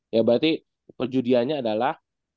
ya berarti perjudianya adalah